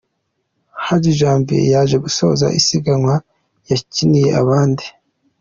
Hadi Janvier yaje gusoza isiganwa yanikiye abandi .